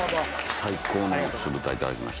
最高の酢豚いただきました。